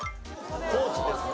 高知ですね。